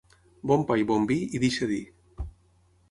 Bon pa i bon vi i deixa dir.